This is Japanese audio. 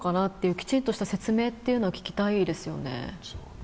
きちっとした説明というのを聞きたいですよね。